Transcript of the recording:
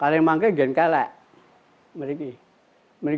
kalau sudah isis itu tidak akan terpengandap